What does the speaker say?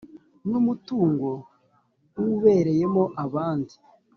n umutungo w ubereyemo abandi